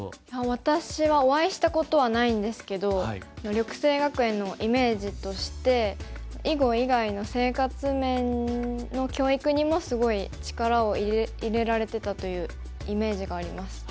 私はお会いしたことはないんですけど緑星学園のイメージとして囲碁以外の生活面の教育にもすごい力を入れられてたというイメージがあります。